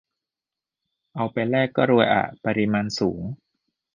เอาไปแลกก็รวยอะ ปริมาณสูง